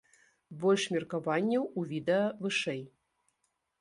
Больш меркаванняў у відэа вышэй.